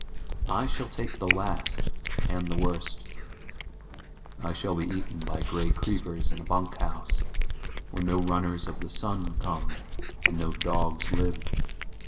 I shall take the last and the worst.I shall be eaten by gray creepers in a bunkhouse where no runners of the sun come and no dogs live.